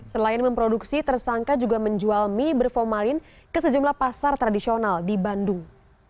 selain memproduksi tersangka juga menjual mie berformalin ke sejumlah pasar tradisional di bandung